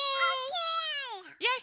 よし！